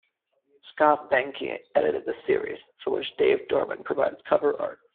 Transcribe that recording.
Scott Behnke edited the series, for which Dave Dorman provided cover art.